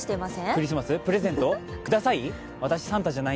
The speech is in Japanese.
クリスマス、プレゼント、ください？